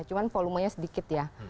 cuma volumenya sedikit ya